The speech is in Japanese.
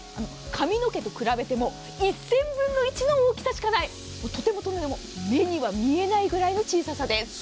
髪の毛と比べても１０００分の１の大きさしかないとてもとても目には見えないぐらいの小ささです。